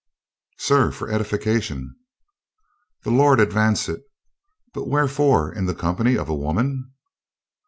"Sir, for edification." "The Lord advance it! But wherefore in the company of a woman?"